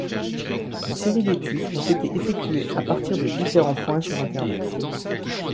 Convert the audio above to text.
Une série d'études ont été effectuées à partir de différents points sur Internet.